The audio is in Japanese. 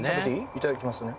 いただきますね